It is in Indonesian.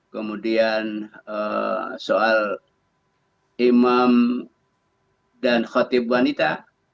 kemudian soal imam dan khotib wanita